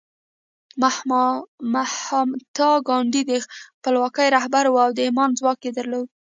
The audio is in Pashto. مهاتما ګاندي د خپلواکۍ رهبر و او د ایمان ځواک یې درلود